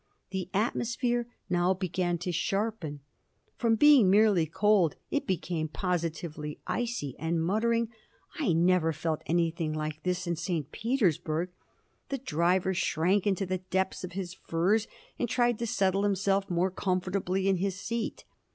The atmosphere now began to sharpen. From being merely cold it became positively icy, and muttering, "I never felt anything like this in St. Petersburg," the driver shrank into the depths of his furs, and tried to settle himself more comfortably in his seat.